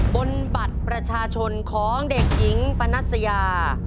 บัตรประชาชนของเด็กหญิงปนัสยา